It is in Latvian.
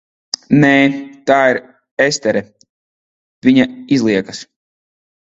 Nē. Tā ir Estere, viņa izliekas.